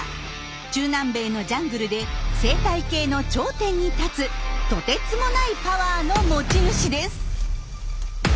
中南米のジャングルで生態系の頂点に立つとてつもないパワーの持ち主です。